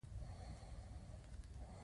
مندل د وراثت پلار دی